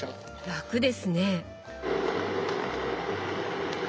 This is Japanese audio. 楽ですね！